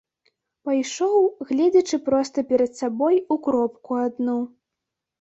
Пайшоў, гледзячы проста перад сабой у кропку адну.